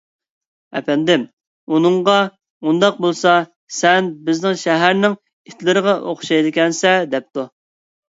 ئەپەندىم ئۇنىڭغا: _ ئۇنداق بولسا ، سەن بىزنىڭ شەھەرنىڭ ئىتلىرىغا ئوخشايدىكەنسەن، _ دەپتۇ.